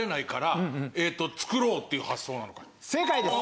正解です！